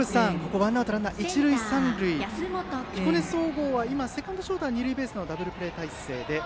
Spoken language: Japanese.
ワンアウトランナー、一塁三塁で彦根総合はセカンドショートは二塁経由のダブルプレー態勢です。